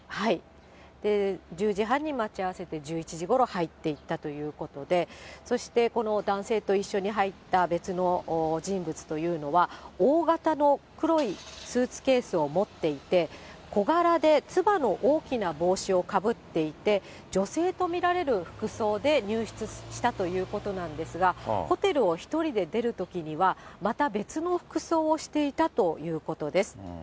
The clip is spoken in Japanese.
１０時半に待ち合わせて、１１時ごろ入っていたということで、そしてこの男性と一緒に入った別の人物というのは、大型の黒いスーツケースを持っていて、小柄でつばの大きな帽子をかぶっていて、女性と見られる服装で入室したということなんですが、ホテルを１人で出るときには、また別の服装をしていたということです。